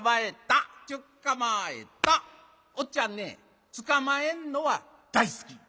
おっちゃんねつかまえんのは大好き。